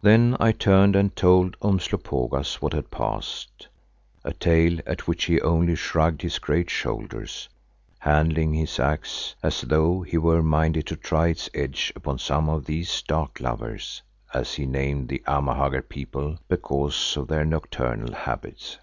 Then I turned and told Umslopogaas what had passed, a tale at which he only shrugged his great shoulders, handling his axe as though he were minded to try its edge upon some of these "Dark lovers," as he named the Amahagger people because of their nocturnal habits.